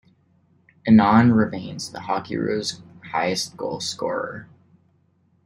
Annan remains the Hockeyroos highest goal scorer.